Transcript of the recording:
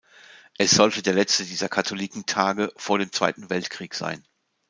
Es sollte der letzte dieser Katholikentage vor dem Zweiten Weltkrieg sein.